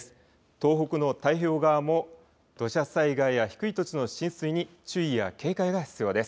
東北の太平洋側も土砂災害や低い土地の浸水に注意や警戒が必要です。